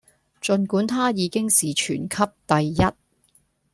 儘管她已經是全級第一